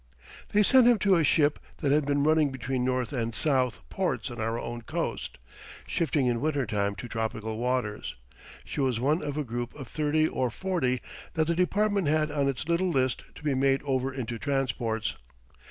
They sent him to a ship that had been running between north and south ports on our own coast, shifting in winter time to tropical waters. She was one of a group of thirty or forty that the department had on its little list to be made over into transports.